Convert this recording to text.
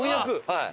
はい。